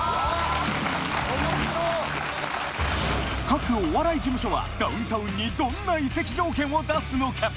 ・各お笑い事務所はダウンタウンにどんな移籍条件を出すのか？